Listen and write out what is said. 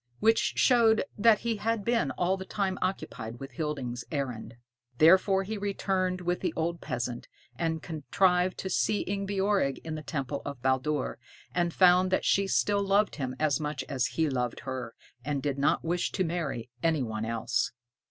Which showed that he had been all the time occupied with Hilding's errand. Therefore he returned with the old peasant, and contrived to see Ingebjorg in the temple of Baldur, and found that she still loved him as much as he loved her, and did not wish to marry any one else.